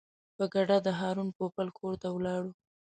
په ګډه د هارون پوپل کور ته ولاړو.